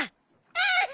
うん。